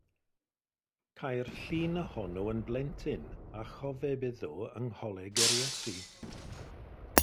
Ceir llun ohono'n blentyn a chofeb iddo yng Ngholeg yr Iesu.